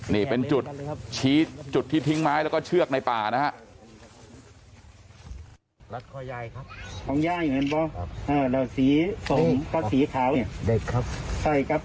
นี่เป็นจุดที่ทิ้งไม้แล้วก็เชือกในป่านะฮะ